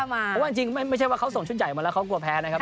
เพราะว่าจริงไม่ใช่ว่าเขาส่งชุดใหญ่มาแล้วเขากลัวแพ้นะครับ